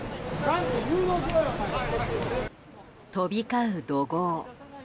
飛び交う怒号。